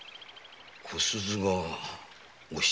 小鈴がお七。